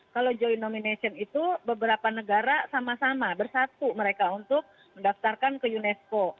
kalau joint nomination itu beberapa negara sama sama bersatu mereka untuk mendaftarkan ke unesco